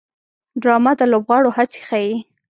ډرامه د لوبغاړو هڅې ښيي